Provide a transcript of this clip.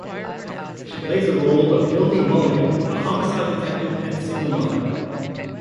She plays the role of Hildy Mulligan, a homicide detective and single mother.